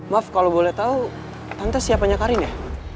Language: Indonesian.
maaf kalau boleh tahu tante siapanya karin ya